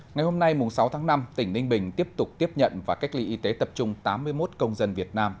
ngày hôm nay sáu tháng năm tỉnh ninh bình tiếp tục tiếp nhận và cách ly y tế tập trung tám mươi một công dân việt nam